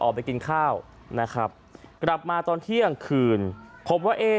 ออกไปกินข้าวนะครับกลับมาตอนเที่ยงคืนพบว่าเอ๊